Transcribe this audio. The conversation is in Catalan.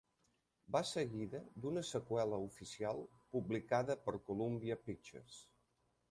Va seguida d'una seqüela oficial publicada per Columbia Pictures.